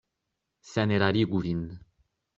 Senerarigu vin.